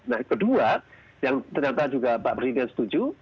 nah kedua yang ternyata juga pak presiden setuju